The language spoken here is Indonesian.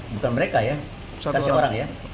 bukan mereka ya bukan seorang ya